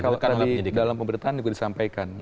kalau tadi di dalam pemberitaan juga disampaikan